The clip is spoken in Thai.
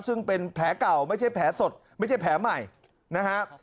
ซึ่งเป็นแผลเก่าไม่ใช่แผลสดไม่ใช่แผลใหม่นะฮะ